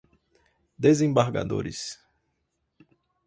desembargadores